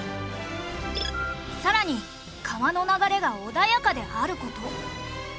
さらに川の流れが穏やかである事。